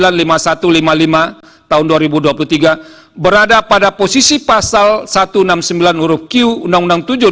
nomor dua puluh sembilan lima puluh satu lima puluh lima puu dua ribu dua puluh tiga berada pada posisi pasal satu ratus enam puluh sembilan uruq uu tujuh dua ribu tujuh belas